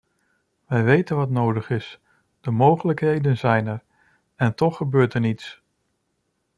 Wij weten wat nodig is, de mogelijkheden zijn er en toch gebeurt er niets!